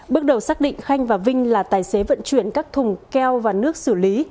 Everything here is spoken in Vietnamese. bước đầu xác định khanh và vinh là tài xế vận chuyển các thùng keo và nước xử lý